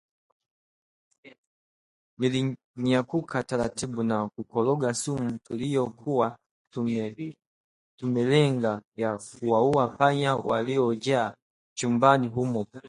Nilinyanyuka taratibu na kukoroga sumu tuliyokuwa tumelenga ya kuwaua panya waliojaa chumbani humo